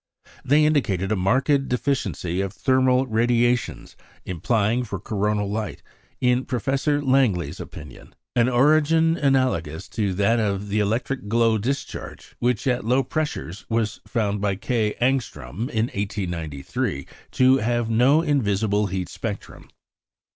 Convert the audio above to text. They indicated a marked deficiency of thermal radiations, implying for coronal light, in Professor Langley's opinion, an origin analogous to that of the electric glow discharge, which, at low pressures, was found by K. Ångström in 1893 to have no invisible heat spectrum.